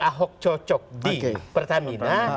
ahok cocok di pertamina